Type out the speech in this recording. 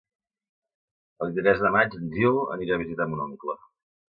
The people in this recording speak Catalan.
El vint-i-tres de maig en Gil anirà a visitar mon oncle.